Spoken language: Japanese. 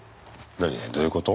何どういうこと？